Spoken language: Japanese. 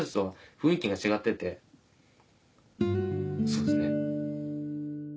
そうですね。